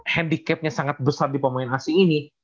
handicapnya sangat besar di pemain asing ini